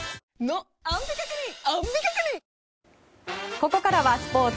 ここからはスポーツ。